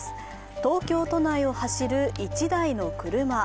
東京都内を走る１台の車。